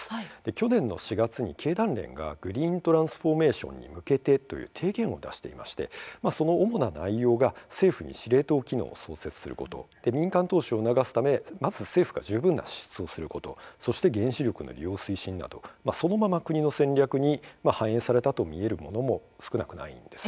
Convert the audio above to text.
去年４月、経団連がグリーントランスフォーメーションに向けてという提言を出していまして内容は政府に司令塔機能を創設すること民間投資を促すため政府が十分な支出をすること原子力の推進などそのまま国の戦略に反映されたと見える部分も多いからなんです。